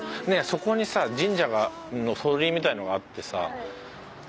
ねえそこにさ神社の鳥居みたいなのがあってさ。